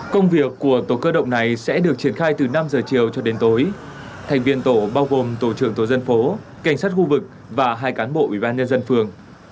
công việc của tổ cơ động này sẽ được triển khai từ năm giờ chiều cho đến tối thành viên tổ bao gồm tổ trưởng tổ dân phố cảnh sát khu vực và hai cán bộ ủy ban nhân dân phường